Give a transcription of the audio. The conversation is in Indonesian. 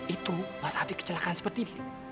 itu mas abi kecelakaan seperti ini